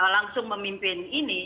langsung memimpin ini